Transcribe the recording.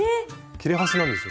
切れ端なんですよね。